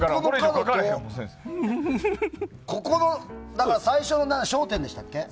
だから、最初の焦点でしたっけ。